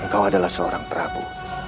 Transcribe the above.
engkau adalah seorang prabu